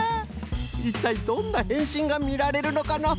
いったいどんなへんしんがみられるのかの？